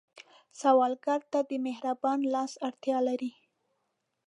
سوالګر ته د مهربان لاس اړتیا لري